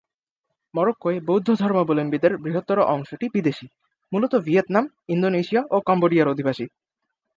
মরক্কোয় বৌদ্ধ ধর্মাবলম্বীদের বৃহত্তর অংশটি বিদেশী, মূলত ভিয়েতনাম, ইন্দোনেশিয়া ও কম্বোডিয়ার অধিবাসী।